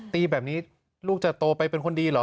ตีแบบนี้ลูกจะโตไปเป็นคนดีเหรอ